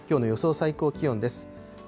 最高気温です。